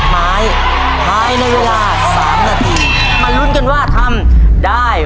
มาลุ้นกันว่าทำได้